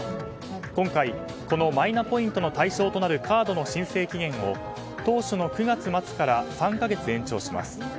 今回、このマイナポイントの対象となるカードの申請期限を当初の９月末から３か月延長します。